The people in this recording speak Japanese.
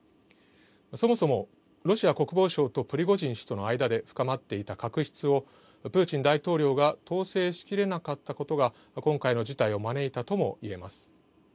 そもそもロシア国防省とプリゴジン氏との間で深まっていた確執をプーチン大統領が統制しきれなかったことが今回の事態を招いたとも言えます。